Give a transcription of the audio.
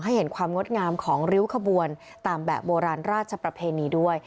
เห็นความงดงามของริ้วขบวนตามแบบโบราณราชประเพณีด้วย